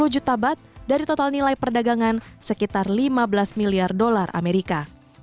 sepuluh juta bat dari total nilai perdagangan sekitar lima belas miliar dolar amerika